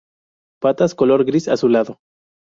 Patas color gris azulado.